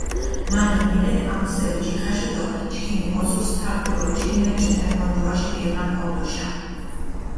მა გიმიტეთ ამჷსერი ჯიხაშე დო ჩქიმი ოსურს თაქ გჷვორჩქინა ჭუმე ონჯუაშე გეღან ორდოშა.